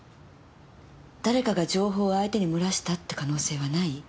誰かが情報を相手に漏らしたって可能性はない？